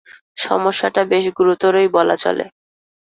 সমস্যাটা বেশ গুরুতরই বলা চলে।